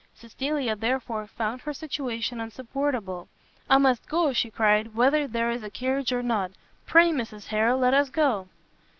Cecilia, therefore, found her situation unsupportable; "I must go," she cried, "whether there is a carriage or not! pray, Mrs Harrel, let us go!"